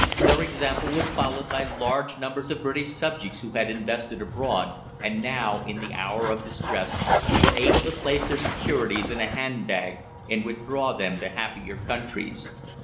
Their example was followed by large numbers of British subjects who had invested abroad, and now, in the hour of distress, were able to place their securities in a handbag and withdraw them to happier countries.